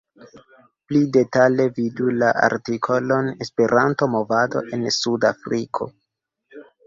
Pli detale vidu la artikolon "Esperanto-movado en Sud-Afriko".